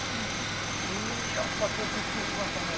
海やっぱちょっとびっくりしましたね。